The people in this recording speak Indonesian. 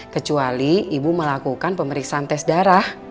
kecuali ibu melakukan pemeriksaan tes darah